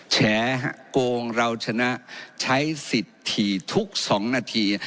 แฉโกงเราชนะใช้สิทธิ์ถี่ทุก๒นาที